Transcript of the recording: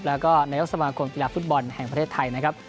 แล้วก็นายกสมาคมกีฬาฟุตบอลแห่งประเทศไทยนะครับ